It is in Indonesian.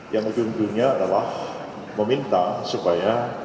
yang lebih pentingnya adalah meminta supaya